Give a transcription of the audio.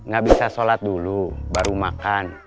gak bisa sholat dulu baru makan